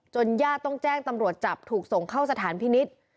ญาติต้องแจ้งตำรวจจับถูกส่งเข้าสถานพินิษฐ์